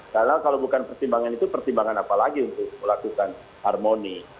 karena kalau bukan pertimbangan itu pertimbangan apa lagi untuk melakukan harmoni